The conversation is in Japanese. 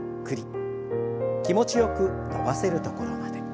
気持ちよく伸ばせるところまで。